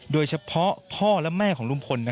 โดยเฉพาะพ่อและแม่ของลุงพล